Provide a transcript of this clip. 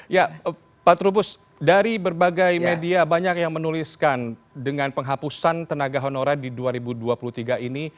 ya pak trubus dari berbagai media banyak yang menuliskan dengan penghapusan tenaga honorer di dua ribu dua puluh tiga ini